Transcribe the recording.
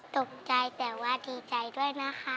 ตกใจแต่ว่าดีใจด้วยนะคะ